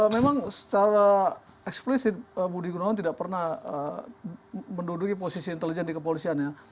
memang secara eksplisit budi gunawan tidak pernah menduduki posisi intelijen di kepolisian ya